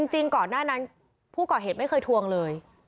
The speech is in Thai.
จริงก่อนหน้านั้นผู้ก่อเหตุไม่เคยทวงเลย